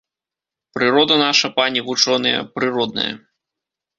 Прырода наша, пане вучоныя, прыродная.